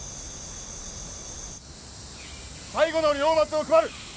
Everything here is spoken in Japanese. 最後の糧秣を配る。